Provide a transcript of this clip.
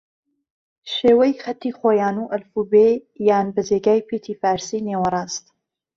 شێوەی خەتی خویان و ئەلفوبێ یان بە جێگای پیتی فارسی نێوەڕاست